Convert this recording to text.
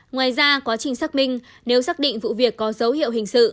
ngoài ra quá trình xác minh nếu xác định vụ việc có dấu hiệu hình sự